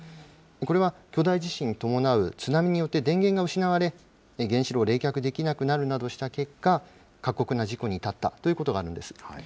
これは巨大地震に伴う津波によって電源が失われ、原子炉を冷却できなくなるなどした結果、過酷な事故に至ったということがあるんです。